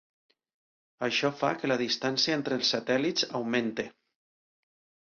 Això fa que la distància entre els satèl·lits augmenti.